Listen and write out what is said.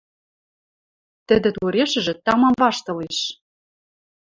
Тӹдӹ турешӹжӹ тамам ваштылеш.